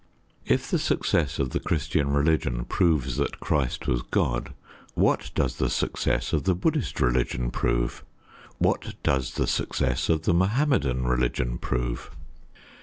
If the success of the Christian religion proves that Christ was God, what does the success of the Buddhist religion prove? What does the success of the Mohammedan religion prove?